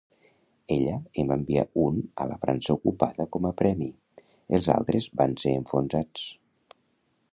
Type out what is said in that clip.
Ella en va enviar un a la França ocupada com a premi; els altres van ser enfonsats.